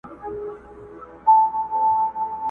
o زوى زړه دئ، ورور لېمه دئ، لمسى د هډ ماغزه دئ٫